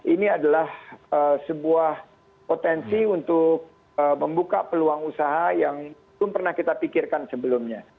ini adalah sebuah potensi untuk membuka peluang usaha yang belum pernah kita pikirkan sebelumnya